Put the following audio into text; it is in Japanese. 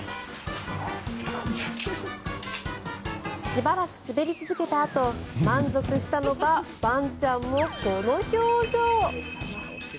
しばらく滑り続けたあと満足したのかワンちゃんもこの表情。